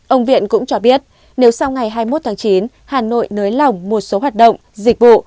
ông viện cũng cho biết nếu sau ngày hai mươi một tháng chín hà nội nới lỏng một số hoạt động dịch vụ